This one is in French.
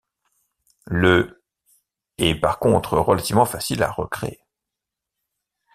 Le ' est par contre relativement facile à recréer.